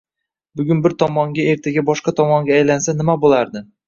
Bugun bir tomonga, ertaga boshqa tomonga aylansa, nima bo’lardi?